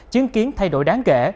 chứng kiến thay đổi đáng ghẻ